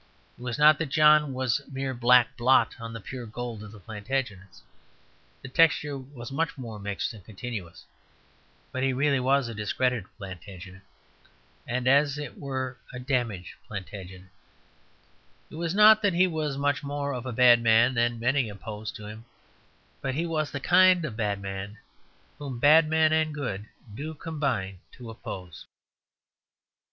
It was not that John was a mere black blot on the pure gold of the Plantagenets, the texture was much more mixed and continuous; but he really was a discredited Plantagenet, and as it were a damaged Plantagenet. It was not that he was much more of a bad man than many opposed to him, but he was the kind of bad man whom bad men and good do combine to oppose.